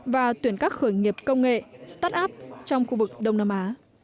và tuyển các khởi nghiệp công nghệ startup trong khu vực đông nam á